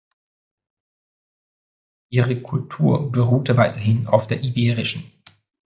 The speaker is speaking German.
Ihre Kultur beruhte weiterhin auf der iberischen.